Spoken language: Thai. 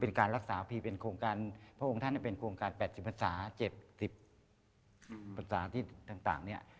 การรักษาพีเป็นโครงการพระองค์ท่านเป็นโครงการ๘๐ภาษา๗๐ภาษาที่ต่างเนี่ย